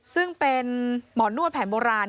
ซึ่งเป็นหมอนวดแผนโบราณ